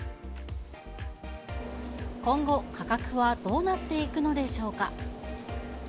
今後、価格はどうなっていくのでしょうか。